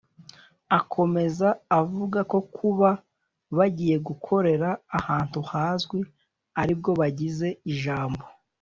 Akomeza avuga ko kuba bagiye gukorera ahantu hazwi ari bwo bagize ijambo